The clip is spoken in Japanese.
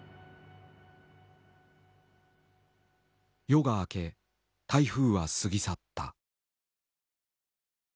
夜が明け台風は過ぎ去った。